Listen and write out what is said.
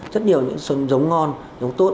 rất nhiều những dấu ngon dấu tốt